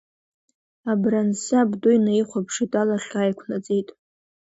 Абрансы абду инаихәаԥшит, алахь ааиқәнаҵеит…